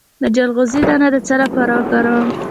د چلغوزي دانه د څه لپاره وکاروم؟